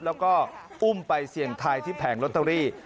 แล้วก็อุ้มไปเสี่ยงทายที่แผงลอตเตอรี่